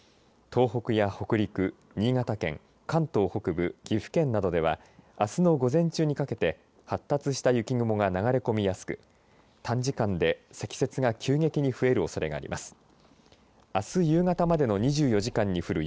東北や北陸新潟県関東北部岐阜県などではあすの午前中にかけて発達した雪雲が流れ込みやすく短時間で積雪が急激に増えるおそれがあります。